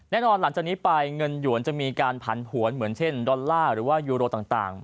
หลังจากนี้ไปเงินหยวนจะมีการผันผวนเหมือนเช่นดอลลาร์หรือว่ายูโรต่าง